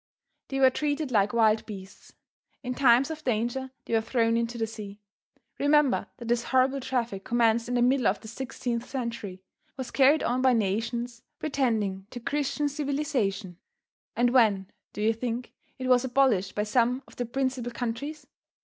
They were treated like wild beasts. In times of danger they were thrown into the sea. Remember that this horrible traffic commenced in the middle of the 16th century, was carried on by nations pretending to Christian civilization, and when do you think it was abolished by some of the principal countries?